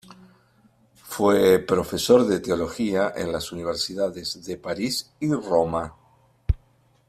Fue profesor de teología en las universidades de París y Roma.